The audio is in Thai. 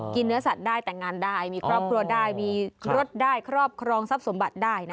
เนื้อสัตว์ได้แต่งงานได้มีครอบครัวได้มีรถได้ครอบครองทรัพย์สมบัติได้